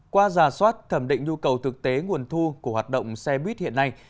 qua giả soát thẩm định nhu cầu thực tế nguồn thu của hoạt động xe buýt hiện nay